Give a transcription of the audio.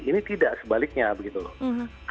ini tidak sebaliknya begitu loh